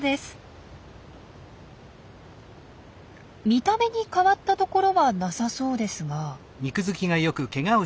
見た目に変わったところはなさそうですが。